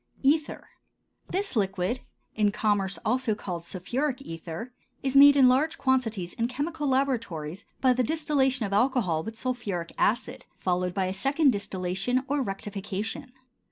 ETHER. This liquid, in commerce also called sulphuric ether, is made in large quantities in chemical laboratories by the distillation of alcohol with sulphuric acid, followed by a second distillation or rectification.